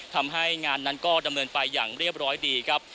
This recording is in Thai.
ทำให้งานนั้นก็ดำเนินไปอย่างเรียบร้อยดีครับ